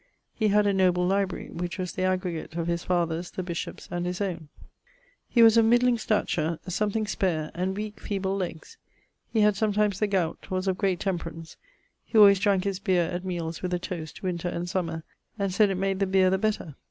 He had a noble library, which was the aggregate of his father's, the bishop's, and his owne. He was of middling stature, something spare; and weake, feeble leggs; he had sometimes the goute; was of great temperance, he alwayes dranke his beer at meales with a toast, winter and summer, and sayd it made the beer the better.